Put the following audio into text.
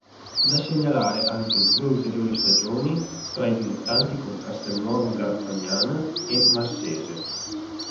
Da segnalare anche due ulteriori stagioni tra i dilettanti con Castelnuovo Garfagnana e Massese.